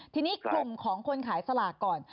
ทีนี้กลุ่มของคนขายสลากก่อน